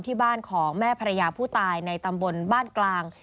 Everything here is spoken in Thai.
ที่บ้านของแม่ภรรยาผู้ตายในตำบลบ้านกลาง